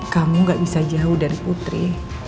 kamu gak bisa jauh dari putri